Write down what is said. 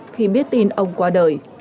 khi biết tin ông qua đời